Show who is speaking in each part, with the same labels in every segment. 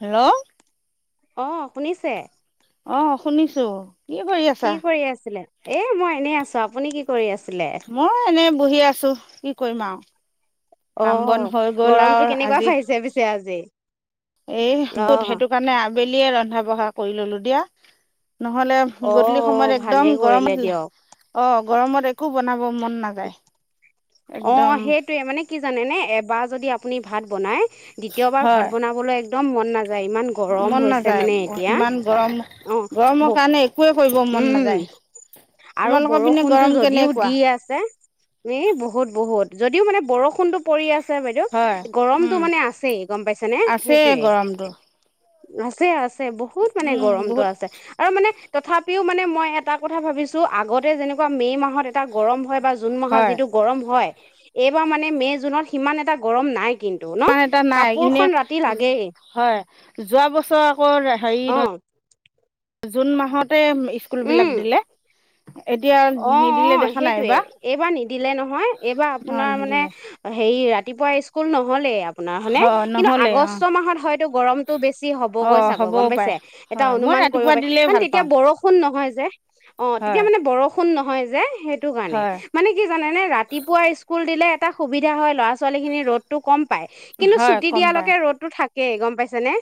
Speaker 1: Hello.
Speaker 2: অ' শুনিছে।
Speaker 1: অ শুনিছো। কি কৰি
Speaker 2: কি
Speaker 1: আছা
Speaker 2: কৰি আছিলে? এ মই এনেই আছো, আপুনি কি কৰি আছে।
Speaker 1: মই এনে বহি আছো, কি কৰিম আৰু কাম বন হৈ
Speaker 2: অ'
Speaker 1: গ'ল
Speaker 2: গৰমটো
Speaker 1: আৰু
Speaker 2: কেনেকুৱা পাইছে পিছে আজি।
Speaker 1: এ
Speaker 2: অ
Speaker 1: গোট সেইটো কাৰণে আবেলিয়ে ৰন্ধা বঢ়া কৰি ললো দিয়া। নহ'লে
Speaker 2: অ
Speaker 1: গধূলি
Speaker 2: অ
Speaker 1: সময়ত একদম
Speaker 2: ভালেই কৰিলে
Speaker 1: গৰমত
Speaker 2: দিয়ক
Speaker 1: অ' গৰমত একো বনাব মন নাযায়
Speaker 2: অ
Speaker 1: একদম।
Speaker 2: সেইটোৱে মানে কি জানেনে এবাৰ যদি আপুনি ভাত বনায়। দ্বিতীয়বাৰ ভাত
Speaker 1: হয়
Speaker 2: বনাবলৈ এক একদম মন নাযায়। ইমান গৰম
Speaker 1: মন
Speaker 2: হৈছে
Speaker 1: নাযায়
Speaker 2: মানে এতিয়া
Speaker 1: ইমান গৰম
Speaker 2: অ ব
Speaker 1: গৰমৰ কাৰণে একোৱে কৰিব মন
Speaker 2: উম
Speaker 1: নাযায়।
Speaker 2: আৰু
Speaker 1: তোমালোকৰ পিনে
Speaker 2: বৰষুণটো
Speaker 1: গৰম
Speaker 2: যদিও
Speaker 1: কেনেকুৱা?
Speaker 2: দি আছে এ বহুত বহুত যদিও মানে বৰষুণ বৰষুণ টো পৰি আছে বাইদেউ
Speaker 1: হয়
Speaker 2: গৰমটো
Speaker 1: উম
Speaker 2: মানে আছেই গম পাইছে নে
Speaker 1: আছে
Speaker 2: সেইটোৱে।
Speaker 1: গৰমটো
Speaker 2: আছে, আছে। বহুত মানে
Speaker 1: উম
Speaker 2: গৰমটো
Speaker 1: বহুত
Speaker 2: আছে আৰু মানে তথাপিও মানে মই এটা কথা ভাবিছো আগতে যেনেকুৱা মে' মাহত এটা গৰম হয় বা জুন মাহৰ
Speaker 1: হয়
Speaker 2: যিটো গৰম হয়। এইবাৰ মানে মে' জুনত সিমান এটা গৰম নাই। কিন্তু ন
Speaker 1: ইমান এটা নাই এনে
Speaker 2: কাপোৰখন ৰাতি লাগেই
Speaker 1: হয়, যোৱা বছৰ আকৌ হেৰি
Speaker 2: অ
Speaker 1: জুন মাহত। তে স্কুলবিলাক দিলে। এতিয়া নিদিলে
Speaker 2: অ'অ'
Speaker 1: দেখা নাই
Speaker 2: সেইটোৱে এইবাৰ নিদিলে নহয় এইবাৰ
Speaker 1: অ
Speaker 2: আপোনাৰ মানে
Speaker 1: নিদিলে
Speaker 2: হেৰি ৰাতি ৰাতিপুৱা স্কুল নহ'লে। আপোনাৰ হয় নে কিন্তু
Speaker 1: নহ'লে অ
Speaker 2: আগষ্ট মাহত হয়তো গৰমতটো বেছি
Speaker 1: অ
Speaker 2: হবগৈ চাগৈ
Speaker 1: হ'বও
Speaker 2: গম
Speaker 1: পাৰে
Speaker 2: পাইছে এটা
Speaker 1: হয় মই
Speaker 2: অনুমান কৰিব
Speaker 1: ৰাতিপুৱা
Speaker 2: পাৰি,
Speaker 1: দিলেই ভাল
Speaker 2: কাৰণ
Speaker 1: পাওঁ
Speaker 2: তেতিয়া বৰষুণ নহয়। যে অ' তেতিয়া
Speaker 1: হয়
Speaker 2: মানে বৰষুণ বৰষুণ নহয় যে সেইটো কাৰণে,
Speaker 1: হয়
Speaker 2: মানে কি জানে ৰাতিপুৱা স্কুল দিলে এটা সুবিধা হয় ল'ৰা ছোৱালীৰ ছোৱালী খিনি ৰদটো কম পায় কিন্তু
Speaker 1: হয়
Speaker 2: ছুটি
Speaker 1: কম
Speaker 2: দিয়া
Speaker 1: পায়
Speaker 2: লৈকে ৰ'দ থাকে। একে গম পাইছ নে।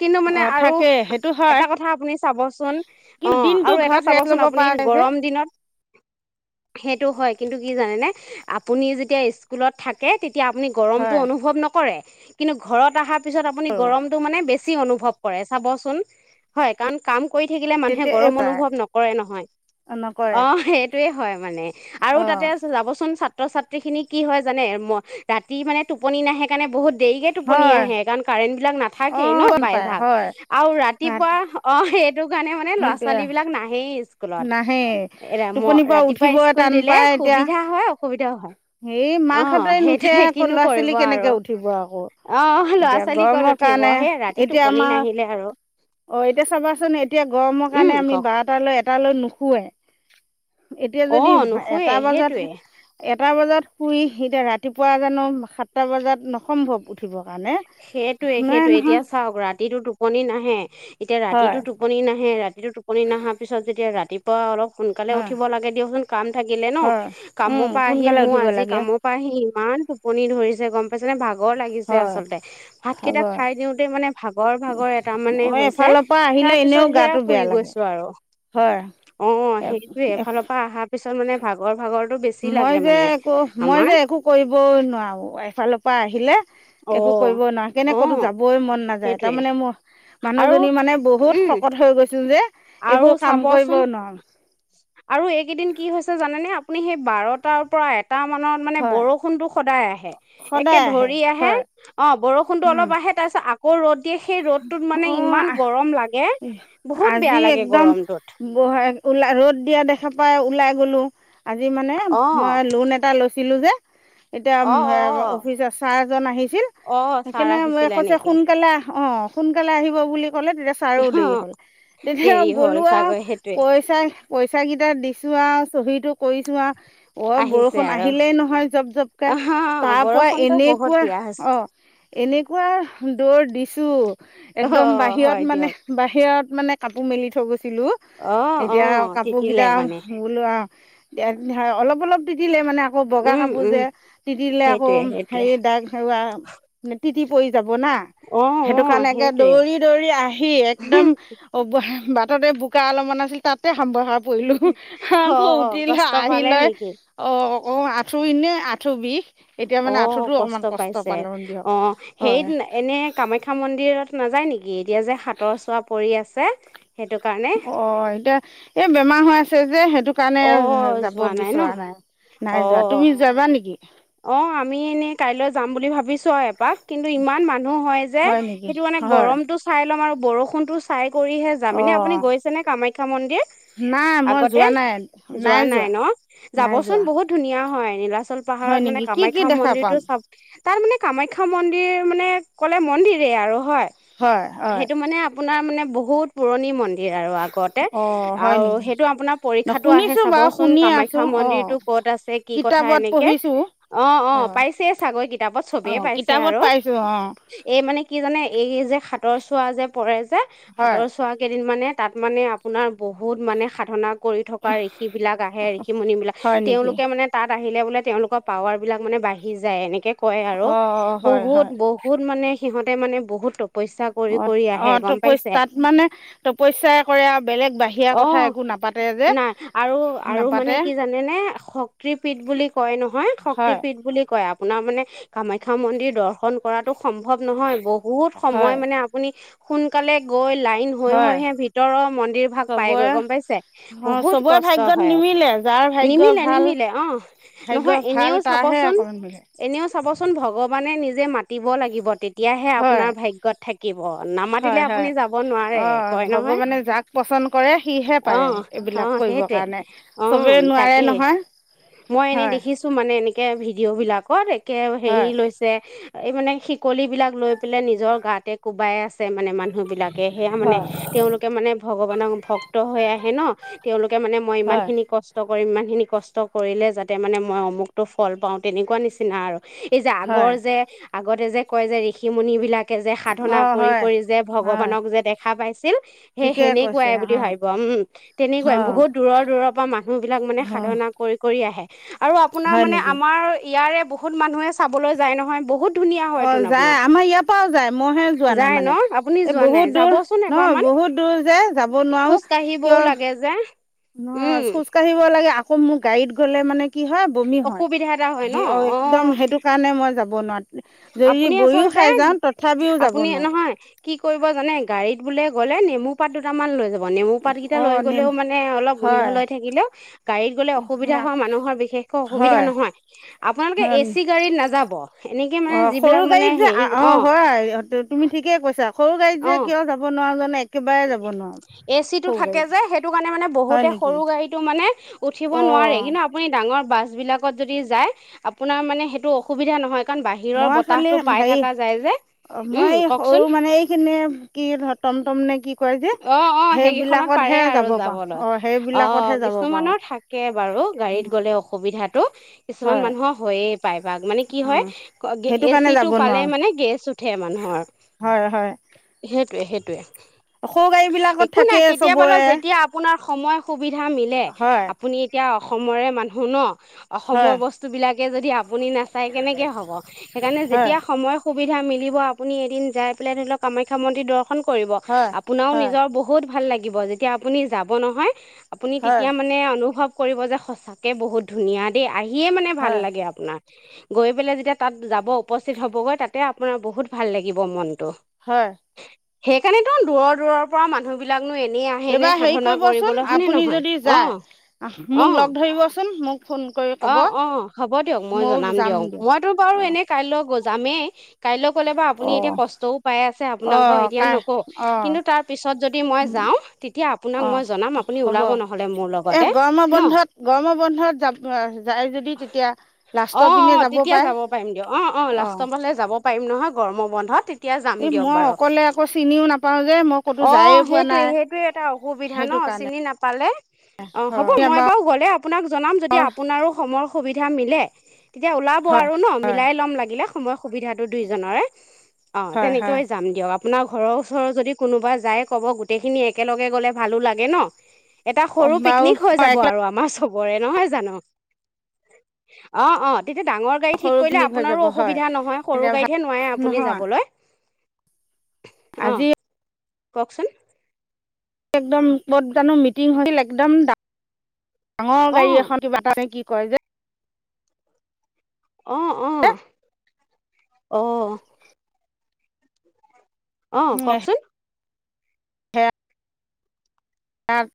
Speaker 2: কিন্তু মানে
Speaker 1: অ
Speaker 2: আৰু
Speaker 1: থাকে সেইটো হয়
Speaker 2: এটা কথা আপুনি চাবচোন অ'
Speaker 1: কিন্তু দিনটো
Speaker 2: আৰু এটা
Speaker 1: ঘৰত ৰেষ্ট
Speaker 2: চাবচোন
Speaker 1: ল'ব
Speaker 2: আপুনি
Speaker 1: পৰা যায় যে
Speaker 2: গৰম দিনত সেইটো হয় কিন্তু কি জানেনে আপুনি যেতিয়া স্কুলত থাকে তেতিয়া তেতিয়া আপুনি গৰমটো
Speaker 1: হয়
Speaker 2: অনুভৱ নকৰে কৰে কিন্তু ঘৰত পিছত আপুনি গৰমটো মানে বেছি বেছি অনুভৱ কৰে চাবচোন হয় কাৰণ কাম কৰি থাকিলে মানুহে
Speaker 1: তেতিয়া এই
Speaker 2: গৰম
Speaker 1: পায়
Speaker 2: অনুভৱ নকৰে নহয়
Speaker 1: নকৰে
Speaker 2: অ সেইটোয়ে হয় মানে
Speaker 1: অ
Speaker 2: আৰু তাতে যাবচোন ছাত্ৰ ছাত্ৰীখিনি কি হয় জানে ৰাতি মানে টোপনি নাহে কাৰণে বহুত দেৰিকে টোপনি
Speaker 1: হয়
Speaker 2: আহে কাৰণ কাৰেণ্ট বিলাক
Speaker 1: অ
Speaker 2: নাথাকেই ন
Speaker 1: গম
Speaker 2: প্ৰায়
Speaker 1: পায়
Speaker 2: ভাগ
Speaker 1: হয়
Speaker 2: আৰু ৰাতিপুৱা অ সেইটো কাৰণে মানে
Speaker 1: সেইটোৱে
Speaker 2: ল'ৰাোৱাল বিলাকাহেই কলান [unintelligible]
Speaker 1: নাহে টোপনিৰ পৰা উঠিব টান পায় এতিয়া
Speaker 2: সুবিধা হয় অসুবিধাও হয়
Speaker 1: হেই
Speaker 2: অ
Speaker 1: মাক সতৰি নুঠে
Speaker 2: সেইটোৱে
Speaker 1: আকৌ
Speaker 2: কিনো
Speaker 1: ল'ৰা ছোৱালী
Speaker 2: কৰিব
Speaker 1: কেনেকে
Speaker 2: আৰু
Speaker 1: উঠিব আকৌ
Speaker 2: অ ল'ৰা
Speaker 1: এতিয়া
Speaker 2: ছোৱালী
Speaker 1: গৰমৰ
Speaker 2: ক'ত উঠিব
Speaker 1: কাৰণে
Speaker 2: সেই ৰাতি
Speaker 1: এতিয়া
Speaker 2: টোপনি
Speaker 1: আমাৰ
Speaker 2: নাহিলে আৰু
Speaker 1: অ এতিয়া চাবাচোন এতিয়া গৰমৰ কাৰণে
Speaker 2: উম
Speaker 1: আমি বাৰটালৈ নোশোৱাই এতিয়া
Speaker 2: কওক অ
Speaker 1: যদি এটা
Speaker 2: নুশুৱে
Speaker 1: বজাত
Speaker 2: সেইটোৱে
Speaker 1: এটা বজাত শুৰি সতিয়া ৰাতিপুৱা জানো সাতটা বজাত ন অসম্ভৱ উঠিবৰ কাৰণে
Speaker 2: সেইটয়ে
Speaker 1: নোৱাৰে
Speaker 2: সেইটোে এতিয়া
Speaker 1: নহয়
Speaker 2: চাওক ৰাতিটো টোপনি নাহে এতিয়া ৰাতিতটো
Speaker 1: হয়
Speaker 2: টোপনি নাই সেই ৰাতিটো টোপনি নহাৰ পিছত যেতিয়া ৰাতিপুৱা অলপ সোনকালে
Speaker 1: হয়
Speaker 2: উঠিব লাগে দিয়কচোন কাম থাকিলে ন
Speaker 1: হয় উম
Speaker 2: কামৰ পৰা
Speaker 1: সোনকালে
Speaker 2: আহিমোৰ
Speaker 1: উঠিব
Speaker 2: আজি
Speaker 1: লাগে
Speaker 2: কামৰ পৰা আহিম ইমান টোপনি ধৰিছে গম পাইছ ে [unintelligible] ভাগৰ লাগিছে আছে
Speaker 1: হয়
Speaker 2: আচলতে ভাতকেইটা
Speaker 1: হয়
Speaker 2: খাই দিওতে মানে ভাগৰ ভাগৰ এটা মানে
Speaker 1: অ
Speaker 2: হৈছে
Speaker 1: এফালৰ পৰা আহিলে
Speaker 2: তাৰ
Speaker 1: এনেও
Speaker 2: পিছত সেয়া
Speaker 1: গাটো
Speaker 2: শুই
Speaker 1: বেয়া লাগে
Speaker 2: গৈছো আৰু
Speaker 1: হয়
Speaker 2: অ সেইটোে এফালৰ পৰা অহাৰ পিছত মানে ভাগৰ ভাগৰ
Speaker 1: মই যে একো মই যে একো কৰিব নোৱাৰো এফালৰ পৰা আহিলে
Speaker 2: অ
Speaker 1: একো কৰিবই নোৱাৰ
Speaker 2: অ
Speaker 1: কেনে ক'তো যাবই মন নাযায়
Speaker 2: সেইটোৱে
Speaker 1: তাৰমানে মোৰ
Speaker 2: আৰু
Speaker 1: মানুহজনী মানে বহুত
Speaker 2: উম
Speaker 1: শকত হৈ গৈছিল যে একো
Speaker 2: আৰু
Speaker 1: কাম কৰিব
Speaker 2: চাবচোন
Speaker 1: নোৱাৰোঁ
Speaker 2: আৰু এইকেইদিন কি হৈছে জানেনেে আপুনি সেই বাৰটাৰ পৰা এ টা মানত মানে
Speaker 1: হয়
Speaker 2: বৰষুণতটো সদায় আহে একে
Speaker 1: সদায়
Speaker 2: ধৰি আহে
Speaker 1: হয়
Speaker 2: অ বৰষুণতো অলপ আহে তাৰপিছত ক' ৰ'দ এতিয়া সেই ৰ'দতটোত মানে ইমান গৰম লাগে বহুত বেয়া
Speaker 1: যি
Speaker 2: লাগে
Speaker 1: একদম
Speaker 2: গৰমটোত
Speaker 1: ওলা ৰ'দ দিয়া দেখা পাও ওলাই গ'লো আজি মানে
Speaker 2: অ
Speaker 1: মই লোন এটা লৈছো কিলো যে এতিয়া আ
Speaker 2: অ অ
Speaker 1: আ অফিচৰ ছাৰ এজন আহিছিল
Speaker 2: অ ছাৰ
Speaker 1: সেইকাৰণে মই
Speaker 2: আহিছিলে
Speaker 1: কৈছে
Speaker 2: নেকি
Speaker 1: সোনকালে আহ সোনকালে আহিব বুলি কলে তেতিয়া ছাৰৰও
Speaker 2: অ
Speaker 1: দেৰি হ'ল। তেতিয়া
Speaker 2: দেৰি হ'ল
Speaker 1: গ'লো আৰু
Speaker 2: চাগৈ সেইটোৱে
Speaker 1: পইচাই পইচা পিইচাকেইটা দিছো আৰু চহীটো কৰিছো আৰু অ'
Speaker 2: আহিছে
Speaker 1: বৰষুণ
Speaker 2: আৰু
Speaker 1: আহিলেই নহয় জপ জপকে
Speaker 2: আহ
Speaker 1: তাৰ পৰা
Speaker 2: বৰষুণতো বহুত
Speaker 1: এনেকুৱা
Speaker 2: দিয়া হৈছে
Speaker 1: অ' এনেকুৱা দৌৰ দিছোঁ
Speaker 2: অ
Speaker 1: একদম বাহিৰত
Speaker 2: হয়
Speaker 1: মানে
Speaker 2: দিয়ক
Speaker 1: বাহিৰত মানে কাপোৰ মেলি থৈ গৈছো ছিলো
Speaker 2: অ অ
Speaker 1: এতিয়া কাপোৰ
Speaker 2: তিতিলে
Speaker 1: কিটা
Speaker 2: মানে
Speaker 1: বোলো অ হা অলপ অলপ তিতিলে। মানে আকৌ বগা
Speaker 2: উম
Speaker 1: কাপোৰ
Speaker 2: উম
Speaker 1: যে তিতিলে আকৌ
Speaker 2: সেইটোৱে সেইটোৱে
Speaker 1: হেৰি দাগ এৰুৱা প [unintelligible] যাব না
Speaker 2: অ অ
Speaker 1: সেইটো একে
Speaker 2: সেইটোৱে
Speaker 1: দৌৰি দৌৰি আহি একদম অব বাটতে বোকা অলপমান আছিল তাতে সামবসা পৰিলো
Speaker 2: অ
Speaker 1: আকৌ উঠিলৈ
Speaker 2: কষ্ট পালে
Speaker 1: আহিলৈ
Speaker 2: নেকি
Speaker 1: অ অ' আঁঠু এনে আঁঠু বিষ এতিয়া মানে
Speaker 2: অ'
Speaker 1: আঁঠুটো
Speaker 2: কষ্ট
Speaker 1: অকণমান
Speaker 2: পাইছে
Speaker 1: পালোঁ দিয়ক
Speaker 2: অ' সেই
Speaker 1: হয়
Speaker 2: এনে কামাখ্যা মন্দিৰত নাযায় নেকি? এতিয়া যে হাতৰ চোৱা পৰি আছে। সেইটো কাৰণে
Speaker 1: অ' এতিয়া এই বেমাৰ হৈ আছে যে সেইটো কাৰণে
Speaker 2: অ
Speaker 1: যাব
Speaker 2: যোৱা ন
Speaker 1: বিচৰা নাই
Speaker 2: অ
Speaker 1: নাই যোৱা। তুমি যাবা নেকি?
Speaker 2: অ' আমি এনে কাইলৈ যাম বুলি ভাবিছো ছো এপাক কিন্তু ইমান মানুহ হয় যে
Speaker 1: নেকি?
Speaker 2: সেইটো মানে
Speaker 1: হয়
Speaker 2: গৰমটো চাই ল'ম আৰু বৰষু ষুনটো চাই কৰিহে যাম এনে আপুনি
Speaker 1: অ',
Speaker 2: গৈছে নে কামাখ্যা মন্দিৰ
Speaker 1: নাই মই
Speaker 2: আগতে?
Speaker 1: যোৱা নাই
Speaker 2: যোৱা নাই ন
Speaker 1: নাই
Speaker 2: যাবচোন
Speaker 1: যোৱা
Speaker 2: বহুত ধুনীয়া হয়। নীলাচ চল
Speaker 1: হয়
Speaker 2: পাহাৰত মানে
Speaker 1: নেকি কি কি
Speaker 2: কামাখ্যা
Speaker 1: দেখা পাম?
Speaker 2: মন্দিৰটো চাব তাৰ মানে কামাখ্যা মন্দিৰ মানে ক'লে মন্দিৰে আৰু হয়।
Speaker 1: হয় হয়।
Speaker 2: সেইটো মানে আপোনাৰ মানে বহুত পুৰণি মন্দ ন্দীৰ আৰু আগতে
Speaker 1: অ', হয়
Speaker 2: আৰু
Speaker 1: নেকি?
Speaker 2: সেইটো আপোনাৰ
Speaker 1: ন
Speaker 2: পৰীক্ষাটো আহে
Speaker 1: শুনিছো বাৰু
Speaker 2: চাবচোন
Speaker 1: শুনি আছো
Speaker 2: কামাখ্যা মন্দিৰটো
Speaker 1: অ',
Speaker 2: ক'ত আছে কি কথা
Speaker 1: কিতাপত
Speaker 2: এনেকে।
Speaker 1: পঢ়িছো
Speaker 2: অ অ পাইছে চাগৈ কিতাপত চবেই
Speaker 1: অ',
Speaker 2: পাইছে
Speaker 1: কিতাপত
Speaker 2: আৰু
Speaker 1: পাইছো অ',
Speaker 2: এই মানে কি জানে এই যে হাতৰ চোৱা যে পৰে [inaudible]
Speaker 1: হয়
Speaker 2: হাতৰ চোৱা কেইদিন মানে তাত মানে আপোনাৰ বহুত মানে সাধনা কৰি থকা ঋষি বিলাক আহে ঋষি মুণি বিলাক
Speaker 1: হয় নেকি?
Speaker 2: তেওঁলোকে মানে তাত আহিলে বোলে তেওঁলোকক [inaudible] পাৱাৰ বিলাক মানে বাঢ়ি যায় এনেকে কয় আৰু
Speaker 1: অ', অ হয়
Speaker 2: বহুত
Speaker 1: হয়
Speaker 2: বহুত মানে সিহঁতে মানে বহুত পইচা কৰি
Speaker 1: অঁ
Speaker 2: কৰি আহে
Speaker 1: অঁ
Speaker 2: গম
Speaker 1: তপস্য
Speaker 2: পাইছে
Speaker 1: তাত মানে তপস্যাই কৰে আৰু বেলেগ বাহিৰা
Speaker 2: অ
Speaker 1: কথা একো নাপাতে যে
Speaker 2: নাই আৰু আৰু মানে
Speaker 1: নাপাতে
Speaker 2: কি জানেনেে শক্তি পীঠ বুলি কয় নহয় [inaudible] শক্তি
Speaker 1: হয়
Speaker 2: পীঠ বুলি কয় আপোনাৰ মানে কামাখ্যা মন্দিৰ দৰ্শন কৰাতটো সম্ভৱ নহয় বহুত সময়
Speaker 1: হয়
Speaker 2: মানে আপুনি সোনকালে গৈ লাইন হৈ
Speaker 1: হয়
Speaker 2: হৈ হে ভিতৰৰ মন্দিৰ ভাগ পাইগৈ
Speaker 1: চবৰে
Speaker 2: গম পাইছে
Speaker 1: অঁ
Speaker 2: বহুত
Speaker 1: চবৰে
Speaker 2: কষ্ট
Speaker 1: ভাগ্যত
Speaker 2: হয় আকৌ
Speaker 1: নিমিলে যাৰ ভাগ্য
Speaker 2: নিমিলে
Speaker 1: ভাল
Speaker 2: নিমিলে অ
Speaker 1: ভাগ্য
Speaker 2: নহয়
Speaker 1: ভাল
Speaker 2: এনেও
Speaker 1: তাৰহে
Speaker 2: চাবচোন
Speaker 1: অকণমান মিলে
Speaker 2: এনেও চাবচোন ভগৱানে নিজে মাতিব লাগিব তেতিয়াহে
Speaker 1: হয়
Speaker 2: আপোনাৰ ভাগ্যৱত থাকিব নামাতিলে
Speaker 1: হয়
Speaker 2: আপুনি
Speaker 1: হয়
Speaker 2: যাব নোৱাৰে
Speaker 1: অঁ
Speaker 2: কয় নহয়
Speaker 1: ভগৱানে যাক পচন্দ কৰে সিহে
Speaker 2: অ
Speaker 1: পাৰে
Speaker 2: অ
Speaker 1: এইবিলাক কৰিবৰ
Speaker 2: সেইটোৱে
Speaker 1: কাৰণে
Speaker 2: অ
Speaker 1: চবেই নোৱাৰে
Speaker 2: তাকেই
Speaker 1: নহয়
Speaker 2: মই এনে
Speaker 1: হয়
Speaker 2: দেখিছো [inaudible] তেনেকে ভিডিঅ' বিলাকৰ কে হেৰি
Speaker 1: হয়
Speaker 2: লৈছে এই মানে শিকলি বিলাক লৈ পেলাই নিজৰ গাতে কোবাই আছে [inaudible] ছে মানে মানুহ বিলাকে সেয়া মানে
Speaker 1: হয়
Speaker 2: তেওঁলোকে মানে ভগৱানক ভক্ত হৈ আহে ন তেওঁলোকে মানে মই ইমান
Speaker 1: হয়
Speaker 2: খিনি কষ্ট [inaudible] ইমান খিনি কষ্ট কৰিলে যাতে মানে মই মোকতো ফল পাওঁ তেনেকুৱা নিচিনা আৰু [inaudible] এই যে আগৰ
Speaker 1: হয়
Speaker 2: যে আগতে যে কয় যে ঋষি মুনিবলাক যে সাধনা
Speaker 1: অঁ
Speaker 2: কৰি
Speaker 1: হয়
Speaker 2: কৰি যে
Speaker 1: হয়
Speaker 2: ভগৱানক যে দেখা পাইছে সেই
Speaker 1: ঠিকে কৈছে
Speaker 2: সেনেকুৱাই বুলি
Speaker 1: অঁ
Speaker 2: ভাবিব উম তেনেকুৱাই
Speaker 1: অঁ
Speaker 2: বহুত দূৰৰ দূৰৰ পৰা মানুহ বিলাক মানে
Speaker 1: অঁ
Speaker 2: সাধনা কৰি কৰি আহে। আপোনাৰ
Speaker 1: হয়
Speaker 2: মানে
Speaker 1: নেকি
Speaker 2: আমাৰ ইয়াৰে বহুত মানুহে চাবলৈ যায় নহয় বহুত ধুনীয়া হয়
Speaker 1: অ',
Speaker 2: তোন
Speaker 1: যায়।
Speaker 2: আপোনাৰ
Speaker 1: আমাৰ ইয়াৰ পৰাও যায়, মইহে যোৱা নাই
Speaker 2: যায় ন
Speaker 1: মানে।
Speaker 2: আপুনি
Speaker 1: এই
Speaker 2: যোৱা নাই
Speaker 1: বহুত দূৰ
Speaker 2: যাবচোন
Speaker 1: ন?
Speaker 2: এবাৰমান
Speaker 1: বহুত দূৰ যে যাব নোৱাৰো।
Speaker 2: খোজ কাঢ়িবও
Speaker 1: কিয়
Speaker 2: লাগে যে উম
Speaker 1: [unintelligible] খোজ কাঢ়িব লাগে, আকৌ মোৰ গাড়ীত গ'লে মানে কি হয়? বমি হয়,
Speaker 2: অসুবিধা এটা হয় ন
Speaker 1: হে অ' একদম সেইটো কাৰণে মই যাব [unintelligible] যদি
Speaker 2: আপুনি
Speaker 1: বৰিও
Speaker 2: আচলতে,
Speaker 1: খাই যাওঁ তথাপিও যাব
Speaker 2: আপুনি
Speaker 1: নোৱাৰো
Speaker 2: নহয় কি কৰিব জানে? গাড়ীত বোলে গলে নেমু পাত দুটামান লৈ যাব নেমু পাতকেইটা
Speaker 1: অ
Speaker 2: লৈ
Speaker 1: নিম
Speaker 2: গলেও মানে অলপ গোন্ধ
Speaker 1: হয়
Speaker 2: লৈ থাকিলেও গাড়ীত গ'লে অসুবিধা হয় মানুহৰ বিশেষকৈ অসুবিধা
Speaker 1: হয়।
Speaker 2: নহয়। আপোনালোকে এ চি গাড়ীত নাযাব। [unintelligible]
Speaker 1: অ', সৰু
Speaker 2: যিবিলাক মানে
Speaker 1: গাড়ীত যে,
Speaker 2: হেৰি
Speaker 1: অ' হয় তুমি ঠিকে কৈছা। সৰু গাড়ীত যে
Speaker 2: অ
Speaker 1: কিয় যাব নোৱাৰো জানে
Speaker 2: এ চি টো থাকে যে সেইটো কাৰণে মানে
Speaker 1: হয়
Speaker 2: বহুতে
Speaker 1: নেকি
Speaker 2: সৰু গাড়ীটো মানে উঠিব নোৱাৰে,
Speaker 1: অ
Speaker 2: কিন্তু আপুনি ডাঙ ডাঙৰ বাছবিলাকত যদি যায়, আপোনাৰ মানে সেইটো অসুবিধা নহয়। কাৰণ বাহিৰৰ
Speaker 1: মই খালি
Speaker 2: বতাহটো পাই
Speaker 1: হেৰি,
Speaker 2: থকা যায় যে উম
Speaker 1: মই এ
Speaker 2: কওকচোন
Speaker 1: সৰু মানে এইখিনি কি টম টম
Speaker 2: অ', অ', সেইকেইখনত পাৰে আৰু
Speaker 1: যাব পাৰোঁ
Speaker 2: যাবলৈ,
Speaker 1: অঁ
Speaker 2: অ'
Speaker 1: সেইবিলাকতহে যাব পাৰোঁ
Speaker 2: কিছুমানৰ থাকে বাৰু গাড়ীত গ'লে অসুবিধা ৰু কিছুমান
Speaker 1: হয়
Speaker 2: মানুহৰ হইয়ে প্ৰাই ভাগ ল, মানে কি
Speaker 1: উম
Speaker 2: হয়,
Speaker 1: সেইটো
Speaker 2: এ
Speaker 1: কাৰণে
Speaker 2: চি
Speaker 1: যাব
Speaker 2: টো পালে
Speaker 1: নোৱাৰোঁ
Speaker 2: মানে গেছ উঠে মানুহৰ।
Speaker 1: হয় হয়
Speaker 2: সেইটোৱে সেই টোৱে।
Speaker 1: সৰু গাড়ী বিলাকত থাকেই চবৰে।
Speaker 2: যেতিয়া আপোনাৰ সময় সুবিধা মিলে,
Speaker 1: হয়
Speaker 2: আপুনি এতিয়া অসমৰে মানুহ ন। অসমৰ
Speaker 1: হয়
Speaker 2: বস্তু বিলাকে যদি আপুনি নাচাই কেনেকে হব, সেইকাৰণে
Speaker 1: হয়
Speaker 2: যেতিয়া সময় সু সুবিধা মিলিব আপুনি এদিন যাই পেলাই ধৰিলক কামাখ্যা মন্দিৰ দৰ্শন কৰিব।
Speaker 1: হয়
Speaker 2: আপোনাৰও
Speaker 1: হয়
Speaker 2: নিজৰ বহুত ভাল লাগি ব যেতিয়া আপুনি যাব নহয় আপুনি
Speaker 1: হয়
Speaker 2: তেতিয়া মানে অনুভৱ কৰিব যে সঁচাকে বহুত ধুনীয়া দেই। আহি দেখিয়ে মানে ভাল
Speaker 1: হয়
Speaker 2: লাগে আপোনাৰ। গৈ পেলাই যেতিয়া তাত যাব উপস্থিত হ'বগৈ তাতে আপোনাৰ বহুত ভাল লাগিব মনটো
Speaker 1: হয়।
Speaker 2: সে নেটো দূৰৰ-দূৰৰ পৰা মানুহবিলাক নো এনেই আহে নে
Speaker 1: এইবাৰ হেৰি
Speaker 2: সাধনা
Speaker 1: কৰিবচোন
Speaker 2: কৰিবলৈ, হয় নে
Speaker 1: আপুনি
Speaker 2: নহয়?
Speaker 1: যদি যায়
Speaker 2: অ',
Speaker 1: মোক
Speaker 2: অ',
Speaker 1: লগ ধৰিবচোন মোক ফোন কৰি ক'ব
Speaker 2: অ', অ', হব দিয়ক মই
Speaker 1: ময়ো
Speaker 2: জনাম
Speaker 1: যাম
Speaker 2: দিয়ক,
Speaker 1: দিয়া
Speaker 2: মইতো বাৰু
Speaker 1: অঁ
Speaker 2: এনেই কাইলৈ গ যামে কাইলৈ ক'লে বাৰ আপুনি এতিয়া
Speaker 1: অঁ
Speaker 2: কষ্টও পাই আছে আপোনাক বাৰ
Speaker 1: অঁ
Speaker 2: এতিয়া
Speaker 1: কাই
Speaker 2: ন
Speaker 1: অঁ
Speaker 2: কিন্তু তাৰপিছত যদি মই যাওঁ তেতিয়া আপোনাক
Speaker 1: অঁ
Speaker 2: মই জনম আপুনি
Speaker 1: হ'ব
Speaker 2: ওলাব নহলে মোৰ
Speaker 1: এই
Speaker 2: লগতে
Speaker 1: গৰমৰ
Speaker 2: নঃ
Speaker 1: বন্ধত গৰমৰ বন্ধত যাব যায় যদি তেতিয়া
Speaker 2: অ
Speaker 1: লাষ্টৰ পিনে
Speaker 2: অ তেতিয়া
Speaker 1: পাৰে
Speaker 2: যাব পাৰিম দিয়ক অ অ
Speaker 1: অঁ
Speaker 2: যাব পাৰিম নহয় গৰম বন্ধ!
Speaker 1: এ মই অকলে আকৌ চিনিও নাপাওঁ যে মই ক'তো
Speaker 2: অ
Speaker 1: যায়ে পোৱা
Speaker 2: সেইটোয়ে
Speaker 1: নাই
Speaker 2: সেইটোয়ে এটা অসুবিধা ন
Speaker 1: সেইটো কাৰণে
Speaker 2: চিনি নাপালে অ হ'ব
Speaker 1: হয়
Speaker 2: মই বাৰু গলে আপোনাক জনাম যদি আপোনাৰো সমৰ্ সুবিধা মিলে তেতিয়া ওলাব
Speaker 1: হয়
Speaker 2: আৰু ন মিলাই ল'ম লাগিলে সময়ৰ সুবিধাটো দুইজনৰে অ
Speaker 1: হয় হয়
Speaker 2: তেনেকৈয়ে যাম দিয়ক ন ঘৰৰ ওচৰৰ যদি কোনোবা যায় ক'ব গোটেইখিনি একেলগে গ'লে ভালো লাগে ন! এটা
Speaker 1: কম
Speaker 2: সৰু
Speaker 1: বাৰু
Speaker 2: পিকনিক হৈ যাব
Speaker 1: একে
Speaker 2: আৰু আমাৰ চব ৰে নহয় জানো অ অ। তেতিয়া ডাঙৰ গাড়ী ঠিক
Speaker 1: সৰু
Speaker 2: কৰিলে
Speaker 1: পিকনিক হৈ যাব
Speaker 2: আপোনাৰো
Speaker 1: হয়
Speaker 2: অসুবিধা নহয় সৰু গাড়ীতহে নোৱাৰে আপুনি
Speaker 1: নহয়
Speaker 2: যাবলৈ। আহ।
Speaker 1: আজি
Speaker 2: কওকচোন!
Speaker 1: একদম বদজানো মিটিং হৈছিল একদম ডাঙৰ
Speaker 2: অ
Speaker 1: গাড়ী এখন কিবা এ নে কি কয় যোয়
Speaker 2: আহ আহ আহ। অ কওকচোন?
Speaker 1: স [unintelligible] তাত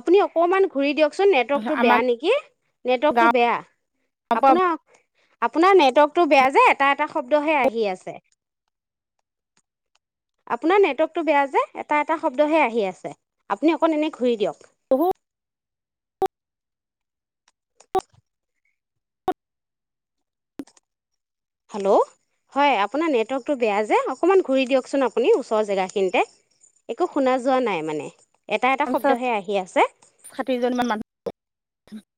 Speaker 2: আপুনি অকণমান ঘূৰি দিয়কচোন নেটৱৰ্কটো বেয়া
Speaker 1: আমাক
Speaker 2: নেকি নেটৱৰ্কটো
Speaker 1: গাঁৱৰ
Speaker 2: বেয়া
Speaker 1: পৰা
Speaker 2: আপোনাৰ আপোনাৰ নেটৱৰ্কটো বেয়া যে এটা এটা শব্দহে আহি আছে। আপোনাৰ নেটৱৰ্কটো বেয়া যে এটা এটা শব্দহে আহি আছে আপুনি অকণ এনে ঘূৰি দিয়ক।
Speaker 1: অহু [inaudible]
Speaker 2: হেল্ল' হয় আপোনাৰ নেটৱৰ্কটো বেয়া যে অকণমান ঘূৰি দিয়কচোন আপুনি ওচৰৰ জেগাখিনিতে একো শুনা যোৱা নাই মানে। এটা এটা
Speaker 1: পঞ্চাছ
Speaker 2: শব্দহে আহি আছে!
Speaker 1: ষাঠিজনীমান [inaudible]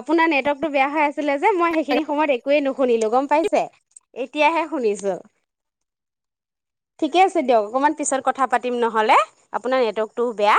Speaker 2: আপোনাৰ নেটৱৰ্কটো বেয়া হৈ আছিলে যে মই সেইখিনি সময়ত একোৱেই নুশুনিলো, গম পাইছে। এতিয়াহে শুনিছো, ঠিকে আছে দিয়ক অকণমান পিছত কথা পাতিম নহ'লে, আপোনাৰ নেটৱৰ্কটোও বেয়া।